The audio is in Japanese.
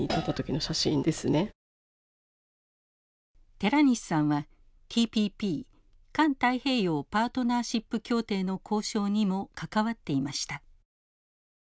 寺西さんはＴＰＰ環太平洋パートナーシップ協定の交渉にも関わっていました。